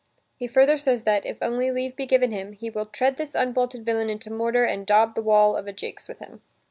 He further says that, if only leave be given him, he will "tread this unbolted villain into mortar and daub the wall of a jakes with him."